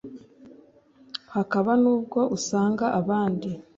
hakaba nubwo usanga abandi